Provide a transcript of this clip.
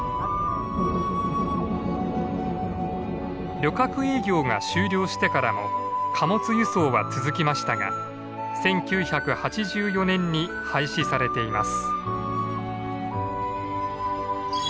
旅客営業が終了してからも貨物輸送は続きましたが１９８４年に廃止されています。